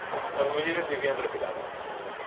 As mulleres vivían retiradas.